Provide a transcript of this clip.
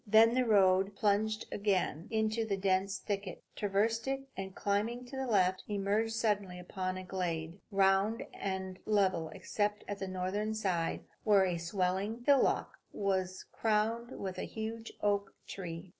Then the road plunged again into a dense thicket, traversed it, and climbing to the left, emerged suddenly upon a glade, round and level except at the northern side, where a swelling hillock was crowned with a huge oak tree.